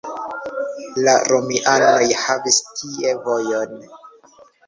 La romianoj havis tie vojon.